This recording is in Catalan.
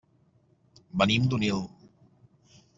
Venim d'Onil.